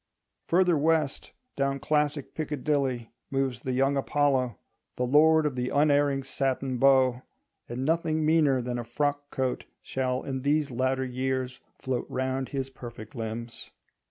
Further west, down classic Piccadilly, moves the young Apollo, the lord of the unerring (satin) bow; and nothing meaner than a frock coat shall in these latter years float round his perfect limbs.